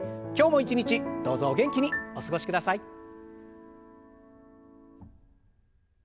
今日も一日どうぞお元気にお過ごしください。